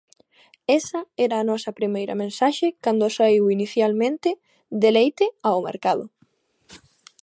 Esa era a nosa primeira mensaxe cando saíu inicialmente Deleite ao mercado.